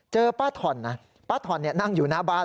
เจอป้าถ่อนนะป้าถ่อนนั่งอยู่หน้าบ้าน